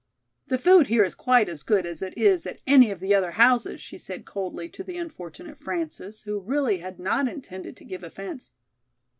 "The food here is quite as good as it is at any of the other houses," she said coldly to the unfortunate Frances, who really had not intended to give offence.